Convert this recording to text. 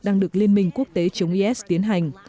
đang được liên minh quốc tế chống is tiến hành